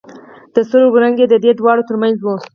د سترګو رنگ يې د دې دواړو تر منځ و.